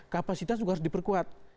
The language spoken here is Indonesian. kapasitas juga harus diperkuat